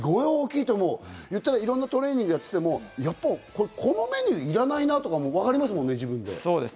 いろんなトレーニングをしていても、このメニューいらないなってわかりますもんね、自分で。